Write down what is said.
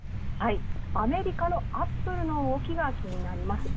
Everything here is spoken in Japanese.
アメリカのアップルの動きが気になります。